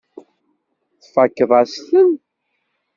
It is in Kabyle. Tfakkeḍ-as-ten.